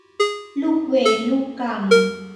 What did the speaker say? ลูกเวรลูกกรรม